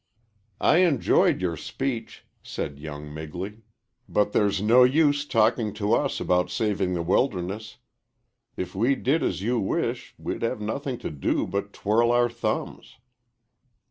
"I enjoyed your speech," said young Migley. "But there's no use talking to us about saving the wilderness. If we did as you wish, we'd have nothing to do but twirl our thumbs."